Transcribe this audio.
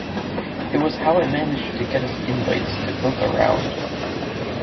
It was how I managed to get us invites to poke around.